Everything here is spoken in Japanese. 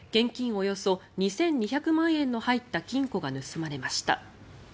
およそ２２００万円の入った金庫が盗まれました。